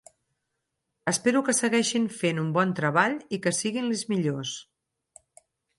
Espero que segueixin fent un bon treball i que siguin les millors.